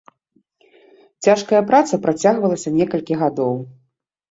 Цяжкая праца працягвалася некалькі гадоў.